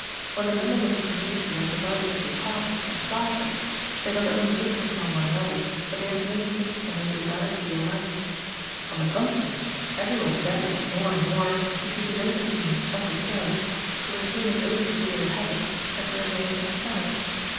When the members of a community are divided into castes and classes, they not only differ from one another, but they have no taste and no desire to be alike; on the contrary, everyone endeavors, more and more, to keep his own opinions undisturbed, to retain his own peculiar habits, and to remain himself.